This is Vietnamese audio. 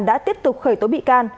đã tiếp tục khởi tố bị can